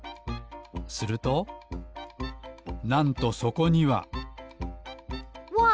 するとなんとそこにはわっ！